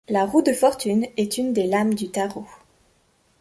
La roue de fortune est une des lames du tarot.